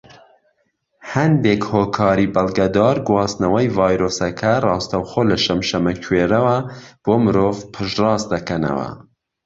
هەندێک هۆکاری بەڵگەدار گواستنەوەی ڤایرۆسەکە ڕاستەوخۆ لە شەمشەمەکوێرەوە بۆ مرۆڤ پشت ڕاست دەکەنەوە.